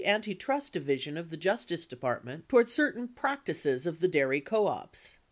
Antitrust Division of the Justice De partment toward certain practices of the dairy co ops.